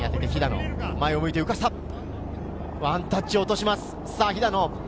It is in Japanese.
ワンタッチ落とします、肥田野。